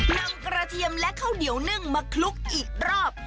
นำกระเทียมและข้าวเหนียวนึ่งมาคลุกอีกรอบ